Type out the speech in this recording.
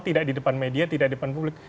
tidak di depan media tidak depan publik